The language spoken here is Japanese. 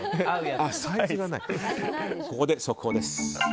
ここで速報です。